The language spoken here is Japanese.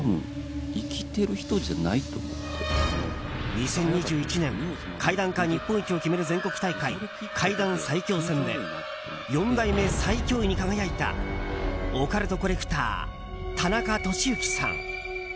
２０２１年怪談家日本一を決める全国大会怪談最恐戦で４代目最恐位に輝いたオカルトコレクター田中俊行さん。